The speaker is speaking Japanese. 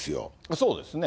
そうですね。